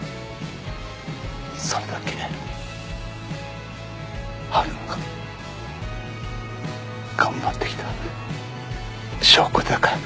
それだけはるなが頑張ってきた証拠だから。